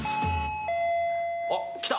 ・あっ来た。